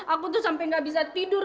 aku tuh sampai gak bisa tidur